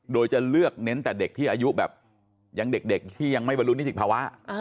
โดยจะเลือกเน้นแต่เด็กที่อายุแบบยังเด็กที่ยังไม่บรรลุนิติภาวะ